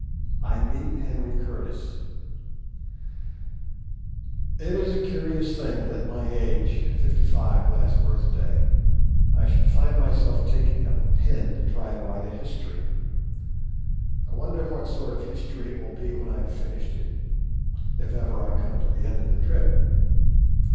I MEET SIR HENRY CURTIS It is a curious thing that at my age—fifty five last birthday—I should find myself taking up a pen to try to write a history. I wonder what sort of a history it will be when I have finished it, if ever I come to the end of the trip!